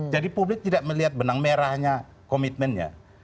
jadi publik tidak melihat benang merahnya komitmennya